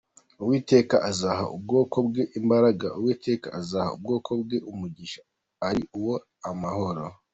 Uwiteka azaha ubwoko bwe imbaraga, Uwiteka azaha ubwoko bwe umugisha, ari wo mahoro.